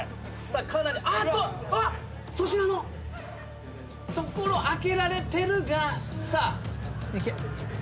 あーっとあっ粗品のところ開けられてるがさあ。